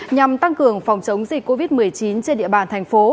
nhằm tăng cường phòng chống dịch covid một mươi chín trên địa bàn thành phố